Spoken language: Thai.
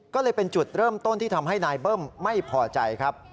ก็เลยเป็นจุดเริ่มต้นที่ทำให้นายเบิ้มไม่พอใจครับ